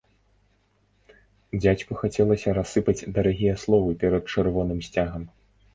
Дзядзьку хацелася рассыпаць дарагія словы перад чырвоным сцягам.